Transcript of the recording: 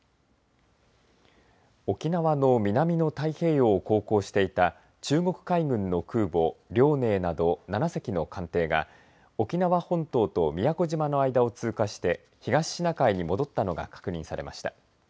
沖縄の南の太平洋を航行していた中国海軍の空母遼寧など７隻の艦艇が沖縄本島と宮古島の間を通過して東シナ海に戻ったのが確認されました。